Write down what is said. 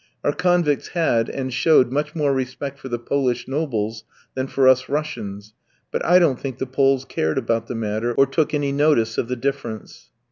Our convicts had and showed much more respect for the Polish nobles than for us Russians, but I don't think the Poles cared about the matter, or took any notice of the difference.